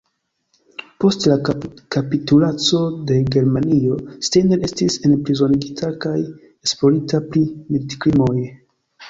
Post la kapitulaco de Germanio, Steiner estis enprizonigita kaj esplorita pri militkrimoj.